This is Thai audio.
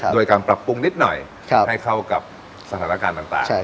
โดยการปรับปรุงนิดหน่อยให้เข้ากับสถานการณ์ต่าง